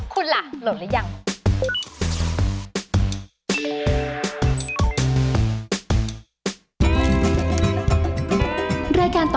คุณล่ะโหลดแล้วยัง